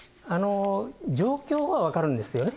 状況は分かるんですよね。